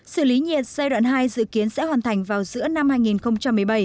xử lý nhiệt giai đoạn hai dự kiến sẽ hoàn thành vào giữa năm hai nghìn một mươi bảy